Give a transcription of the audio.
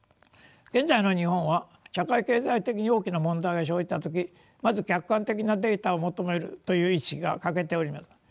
現在の日本は社会経済的に大きな問題が生じた時まず客観的なデータを求めるという意識が欠けております。